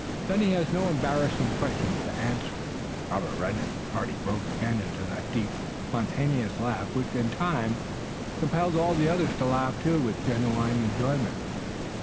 Then he has no embarrassing questions to answer." Robert reddened and Hardy broke again into that deep, spontaneous laughter which, in time, compelled all the others to laugh too and with genuine enjoyment.